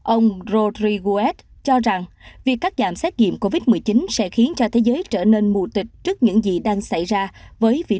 ông godriguez cho rằng việc cắt giảm xét nghiệm covid một mươi chín sẽ khiến cho thế giới trở nên mù tịch trước những gì đang xảy ra với virus sars cov hai